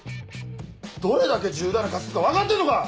どれだけ重大な過失か分かってんのか！